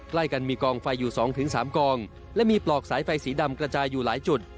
ใกล้กันมีกองไฟอยู่๒๓กองและมีปลอกสายไฟสีดำกระจายอยู่หลายจุด